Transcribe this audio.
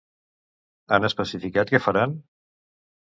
Han especificat què faran?